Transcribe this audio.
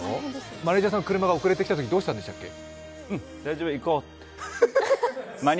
マネージャーさんの車が遅れて来たときどうしたんでしたっけ？